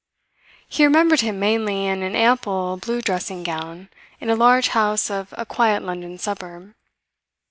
He remembered him mainly in an ample blue dressing gown in a large house of a quiet London suburb.